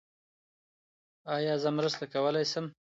ایا زه مرسته کولي شم؟